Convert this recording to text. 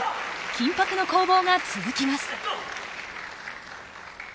緊迫の攻防が続きます。